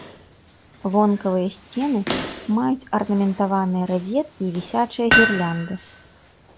Вонкавыя сцены маюць арнаментаваныя разеткі і вісячыя гірлянды.